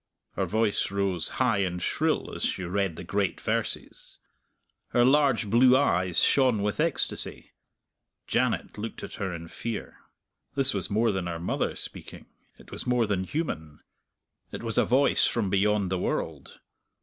'_" Her voice rose high and shrill as she read the great verses. Her large blue eyes shone with ecstasy. Janet looked at her in fear. This was more than her mother speaking; it was more than human; it was a voice from beyond the world.